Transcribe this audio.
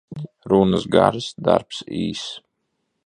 Runas garas, darbs īss.